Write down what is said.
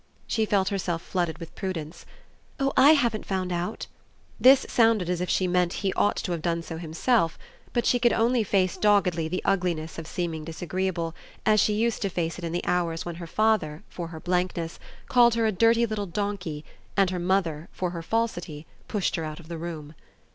She felt herself flooded with prudence. "Oh I haven't found out!" This sounded as if she meant he ought to have done so himself; but she could only face doggedly the ugliness of seeming disagreeable, as she used to face it in the hours when her father, for her blankness, called her a dirty little donkey, and her mother, for her falsity, pushed her out of the room.